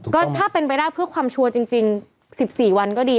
ก็ถ้าเป็นไปได้เพื่อความชัวร์จริง๑๔วันก็ดี